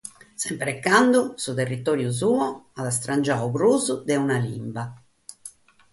Semper e cando, su territòriu suo at istrangiadu prus de una limba.